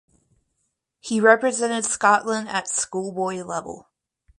He represented Scotland at schoolboy level.